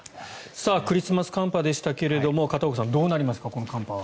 クリスマス寒波でしたが片岡さん、どうなりますかこの寒波は。